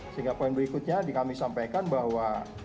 sehingga poin berikutnya kami sampaikan bahwa